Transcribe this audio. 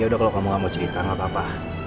ya udah kalau kamu gak mau cerita gak apa apa